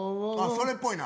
それっぽいな。